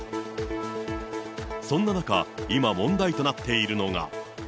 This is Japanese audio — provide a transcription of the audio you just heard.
そんな中、今、問題となっているのが。